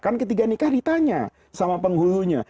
kan ketika nikah ditanya sama penghulunya